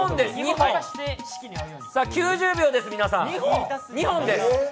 ９０秒です、皆さん、２本です。